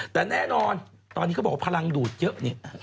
แต่แน่นอนลำนเป็นที่พลังดูดเยอะ